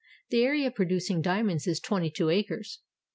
The area producing diamonds is twenty two acres.